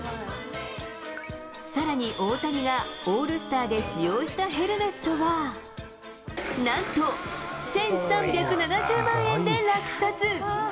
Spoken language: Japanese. さらに大谷がオールスターで使用したヘルメットは、なんと１３７０万円で落札。